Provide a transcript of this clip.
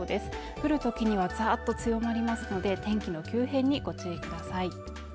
降るときにはざっと強まりますので天気の急変にご注意ください